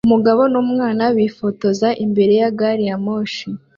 Umugabo n'umwana bifotoza imbere ya gari ya moshi